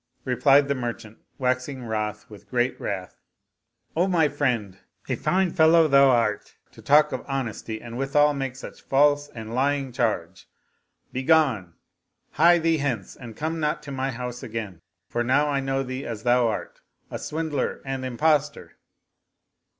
Replied the merchant, waxing wroth with great wrath, " O my friend, a fine fellow thou art to talk of honesty and withal make such false and lying charge. Begone: hie thee hence and come not to my house again; for now I know thee as thou art, a swindler and impostor."